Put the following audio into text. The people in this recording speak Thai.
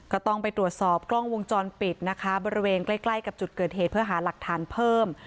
ก็ต้องไปตรวจสอบกล้องวงจรปิดนะคะบริเวณใกล้ใกล้กับจุดเกิดเหตุเพื่อหาหลักฐานเพิ่ม